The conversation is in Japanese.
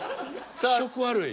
気色悪い。